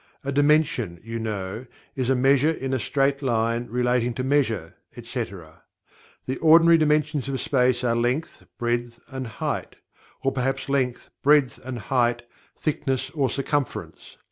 A "dimension," you know, is "a measure in a straight line, relating to measure," etc. The ordinary dimensions of space are length, breadth, and height, or perhaps length, breadth, height, thickness or circumference.